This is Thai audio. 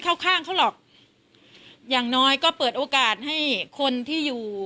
เข้าข้างเขาหรอกอย่างน้อยก็เปิดโอกาสให้คนที่อยู่